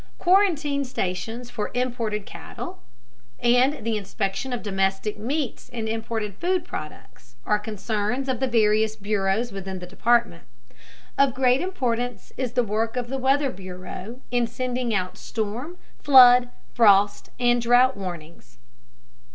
Quarantine stations for imported cattle, and the inspection of domestic meats and imported food products are concerns of the various bureaus within the Department. Of great importance is the work of the weather bureau in sending out storm, flood, frost, and drought warnings.